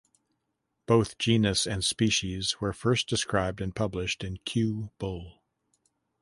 Both genus and species were first described and published in Kew Bull.